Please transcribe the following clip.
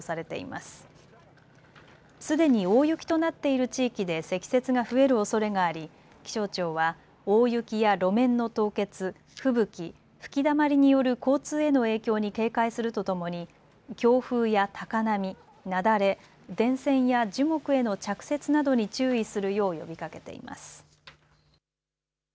すでに大雪となっている地域で積雪が増えるおそれがあり気象庁は大雪や路面の凍結吹雪、吹きだまりによる交通への影響に警戒するとともに強風や高波、雪崩電線や樹木への着雪などに注意するよう呼びかけています。